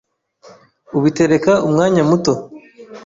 ubitereka umwanya muto,